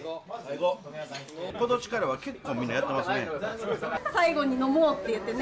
ことしからは結構みんなやってますね。